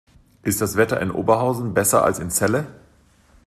Ist das Wetter in Oberhausen besser als in Celle?